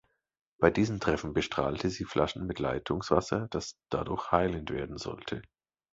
Bei diesen Treffen "bestrahlte" sie Flaschen mit Leitungswasser, das dadurch "heilend" werden sollte.